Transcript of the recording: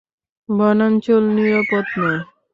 বনাঞ্চল নিরাপদ নয়।